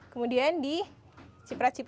kemudian diciprat cipratin ya wah yah